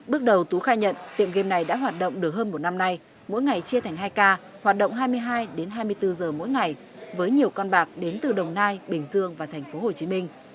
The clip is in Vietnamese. bước đầu tú khai nhận tiệm game này đã hoạt động được hơn một năm nay mỗi ngày chia thành hai ca hoạt động hai mươi hai đến hai mươi bốn giờ mỗi ngày với nhiều con bạc đến từ đồng nai bình dương và thành phố hồ chí minh